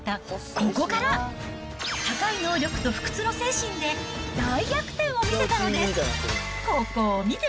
ここから、高い能力と不屈の精神で大逆転を見せたのです。